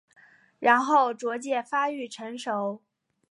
然后逐渐发育成熟。